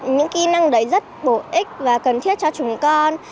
những kỹ năng đấy rất bổ ích và cần thiết cho chúng con